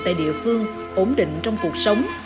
tại địa phương ổn định trong cuộc sống